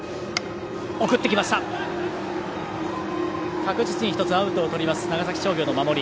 確実に１つアウトをとります長崎商業の守り。